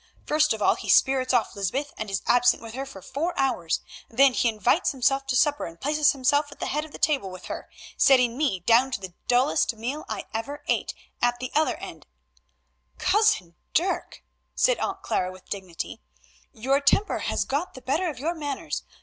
First of all he spirits off Lysbeth and is absent with her for four hours; then he invites himself to supper and places himself at the head of the table with her, setting me down to the dullest meal I ever ate at the other end——" "Cousin Dirk," said Aunt Clara with dignity, "your temper has got the better of your manners.